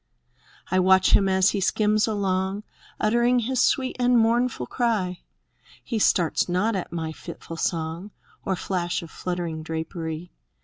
I watch him as he skims along. Uttering his sweet and mournful cry; He starts not at my fitful song. Or flash of fluttering drapery.